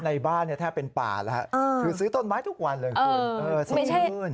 ในบ้านแทบเป็นป่าแล้วคือซื้อต้นไม้ทุกวันเลยคุณสดชื่น